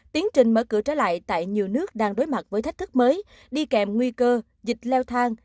tiến trình mở cửa trở lại tại nhiều nước đang đối mặt với thách thức mới đi kèm nguy cơ dịch leo thang